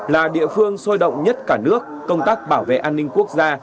là địa phương sôi động nhất cả nước công tác bảo vệ an ninh quốc gia